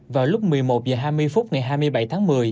vào lúc một mươi một h hai mươi phút ngày hai mươi bảy tháng một mươi